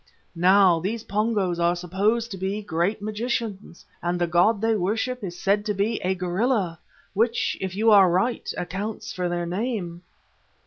Now these Pongo are supposed to be great magicians, and the god they worship is said to be a gorilla, which, if you are right, accounts for their name.